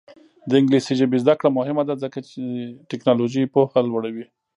د انګلیسي ژبې زده کړه مهمه ده ځکه چې تکنالوژي پوهه لوړوي.